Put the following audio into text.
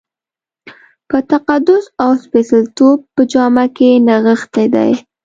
په تقدس او سپېڅلتوب په جامه کې نغښتی دی.